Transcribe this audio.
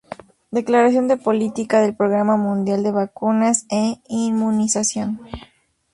Declaración de política del Programa Mundial de Vacunas e Inmunización.